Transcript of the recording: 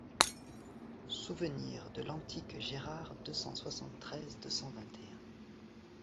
Souvenirs de l’anticque Gérard deux cent soixante-treize deux cent vingt et un.